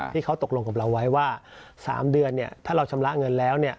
ที่เขาตกลงกับเราไว้ว่า๓เดือนถ้าเราชำระเงินแล้ว